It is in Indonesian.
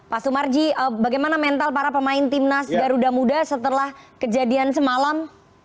pak sumarji bagaimana mental para pemain timnas garuda muda setelah kejadian semalam